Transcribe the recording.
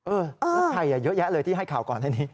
เออใครอ่ะเยอะแยะเลยที่ให้ข่าวก่อนหน้านี้